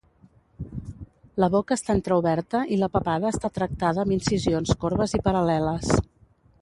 La boca està entreoberta i la papada està tractada amb incisions corbes i paral·leles.